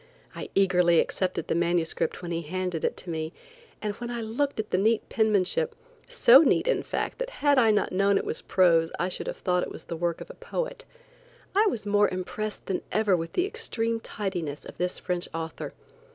I eagerly accepted the manuscript when he handed it to me, and when I looked at the neat penmanship, so neat in fact that had I not known it was prose I should have thought it was the work of a poet, I was more impressed than ever with the extreme tidiness of this French author.